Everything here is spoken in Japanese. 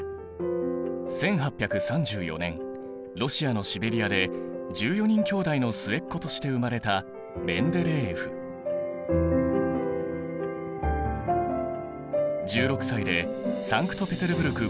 １８３４年ロシアのシベリアで１４人兄弟の末っ子として生まれた１６歳でサンクトペテルブルク